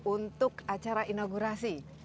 untuk acara inaugurasi